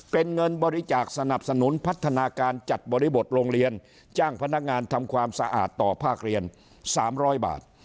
เป็นเงินบริจาคสนับสนุนพัฒนาการจัดบริบทโรงเรียนจ้างพนักงานทำความสะอาดต่อภาคเรียน๓๐๐บาท